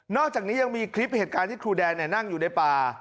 อกจากนี้ยังมีคลิปเหตุการณ์ที่ครูแดนนั่งอยู่ในป่า